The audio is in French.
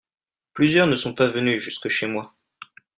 Plusieurs ne sont pas venus jusque chez moi.